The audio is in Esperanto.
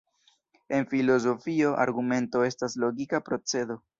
En filozofio, argumento estas logika procedo.